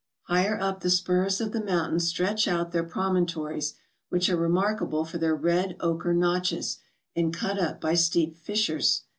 Higher up the spurs of the mountains stretch out their promontories, which are remarkable for their red ochre notches, and cut up by steep fissures.